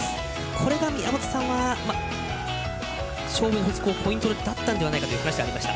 これが宮本さん勝負のポイントだったんではないかという話がありました。